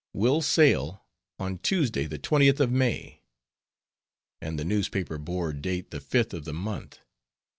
Will sail on Tuesday the 20th of May and the newspaper bore date the fifth of the month!